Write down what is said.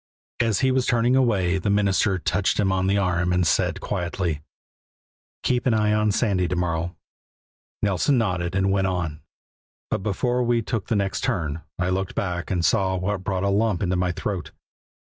As he was turning away the minister touched him on the arm and said quietly: "Keep an eye on Sandy to morrow." Nelson nodded and we went on; but before we took the next turn I looked back and saw what brought a lump into my throat.